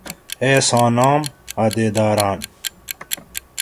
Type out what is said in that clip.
ایس آں ناۤم عہدیداراۤن